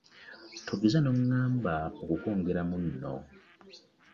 Togeza n'oŋŋamba okukwongeramu nno.